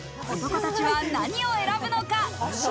男たちは何を選ぶのか？